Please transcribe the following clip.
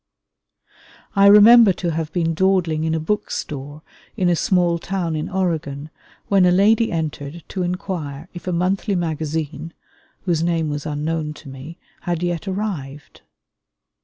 I remember to have been dawdling in a book store in a small town in Oregon when a lady entered to inquire if a monthly magazine, whose name was unknown to me, had yet arrived.